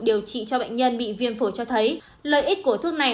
điều trị cho bệnh nhân bị viêm phổi cho thấy lợi ích của thuốc này